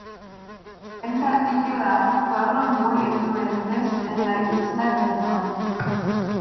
En particular, fueron muy influyentes en la Isla de Man.